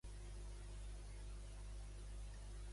Què fan, segons el que narra la història?